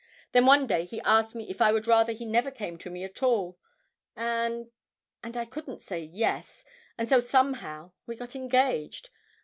Then one day he asked me if I would rather he never came to me at all, and and I couldn't say yes, and so somehow we got engaged.